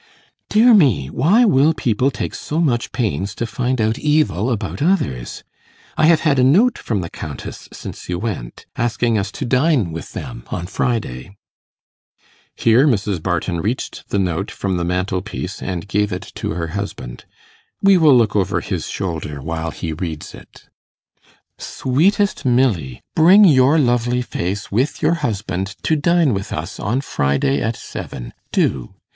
'Dear me! why will people take so much pains to find out evil about others? I have had a note from the Countess since you went, asking us to dine with them on Friday.' Here Mrs. Barton reached the note from the mantelpiece, and gave it to her husband. We will look over his shoulder while he reads it: 'SWEETEST MILLY, Bring your lovely face with your husband to dine with us on Friday at seven do.